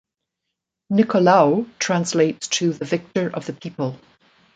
Nicolaou translates to the "Victor of the People".